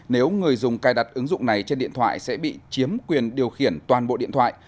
nếu người dùng cài đặt ứng dụng này trên điện thoại sẽ bị chiếm quyền điều khiển toàn bộ điện thoại